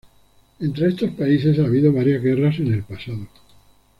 Entre estos "países" ha habido varias guerras en el pasado.